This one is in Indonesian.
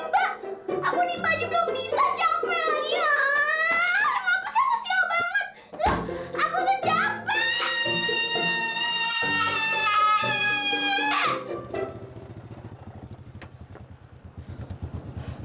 aku tuh capek